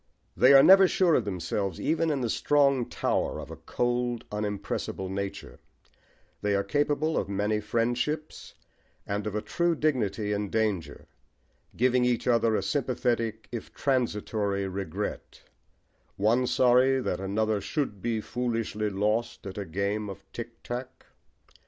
they are never sure of themselves, even in the strong tower of a cold unimpressible nature: they are capable of many friendships and of a true dignity in danger, giving each other a sympathetic, if transitory, regret one sorry that another "should be foolishly lost at a game of tick tack."